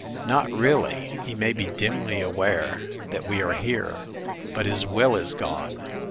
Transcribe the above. "Not really. He may be dimly aware that we are here; but his will is gone.